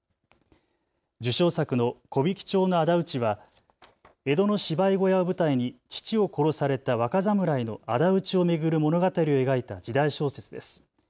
受賞作の木挽町のあだ討ちは江戸の芝居小屋を舞台に父を殺された若侍のあだ討ちを巡る物語を描いた時代小説です。